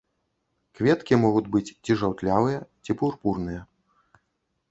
Кветкі могуць быць ці жаўтлявыя, ці пурпурныя.